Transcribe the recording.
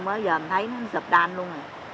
mới giờ mình thấy nó sụp đang luôn